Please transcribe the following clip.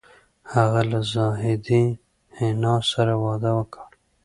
هغه له زاهدې حنا سره واده وکړ